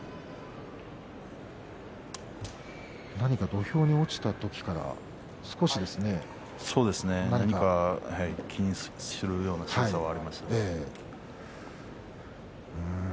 土俵に落ちた時から少し何か気にするようなしぐさがありました。